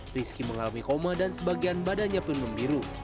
risky mengalami koma dan sebagian badannya penuh biru